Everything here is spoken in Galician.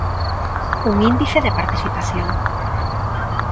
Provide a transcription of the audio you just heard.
Un índice de participación.